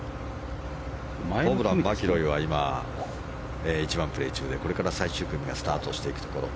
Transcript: ホブラン、マキロイは今、１番をプレー中でこれから最終組がスタートしていくところ。